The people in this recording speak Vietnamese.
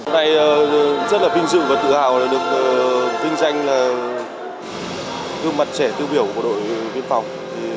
hôm nay rất là vinh dự và tự hào được vinh danh là gương mặt trẻ tiêu biểu của đội biên phòng